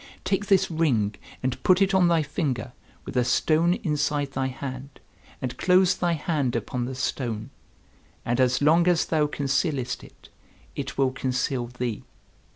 Take this ring and put it on thy finger, with the stone inside thy hand, and close thy hand upon the stone. And as long as thou concealest it, it will conceal thee.